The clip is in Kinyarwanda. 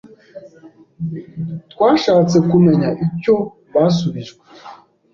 Twashatse kumenya icyo basubijwe